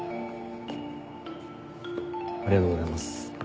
ありがとうございます。